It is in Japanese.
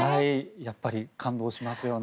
やっぱり感動しますよね。